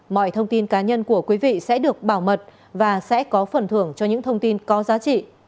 mọi thông tin cá nhân của quý vị sẽ được bảo mật và sẽ có phần thưởng cho những thông tin có giá trị